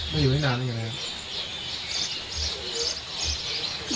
มาอยู่นี่นานแล้วอย่างไรครับ